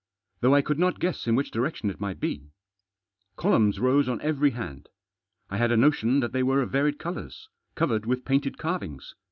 Though I could not guess in which direction it might be. Columns rose on every hand. I had a notion that they were of varied colours ; covered with painted carvings.